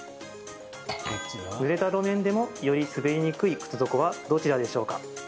ぬれた路面でもより滑りにくい靴底はどちらでしょうか？